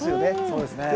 そうですね。